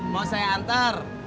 mau saya antar